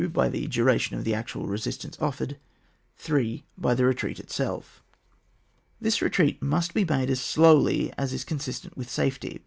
By the duration of the actual resistance offered. 3. By the retreat itself. This retreat must be made as slowly as is consistent with safety.